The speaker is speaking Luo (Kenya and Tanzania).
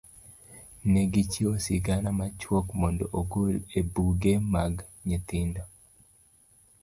Ne gichiwo sigana machuok mondo ogol e buge mag nyithindo.